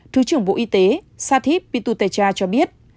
thứ trưởng bộ y tế satip pintutecha cho biết